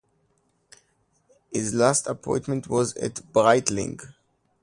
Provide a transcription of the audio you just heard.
His last appointment was at Brightling.